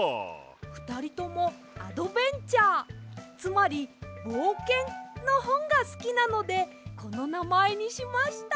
ふたりともアドベンチャーつまりぼうけんのほんがすきなのでこのなまえにしました！